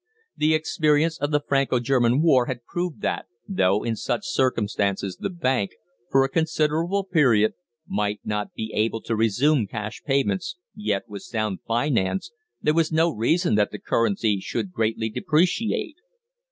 The experience of the Franco German war had proved that, though in such circumstances the Bank, for a considerable period, might not be able to resume cash payments, yet, with sound finance, there was no reason that the currency should greatly depreciate.